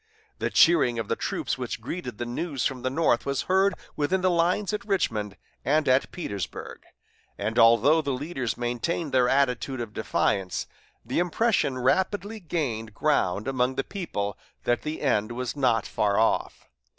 The cheering of the troops which greeted the news from the North was heard within the lines at Richmond and at Petersburg; and although the leaders maintained their attitude of defiance, the impression rapidly gained ground among the people that the end was not far off.